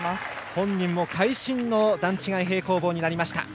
本人も会心の段違い平行棒になりました。